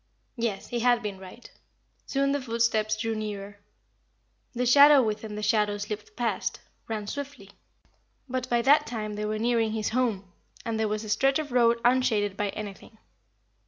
Yes, he had been right. Soon the footsteps drew nearer; the shadow within the shadow slipped past ran swiftly. But by that time they were nearing his home, and there was a stretch of road unshaded by anything.